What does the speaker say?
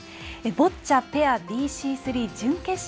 ボッチャペアＢＣ３準決勝